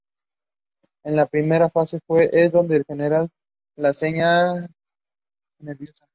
En la primera fase es donde se genera la señal nerviosa.